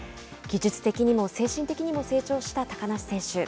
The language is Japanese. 技術的にも精神的に成長した高梨選手。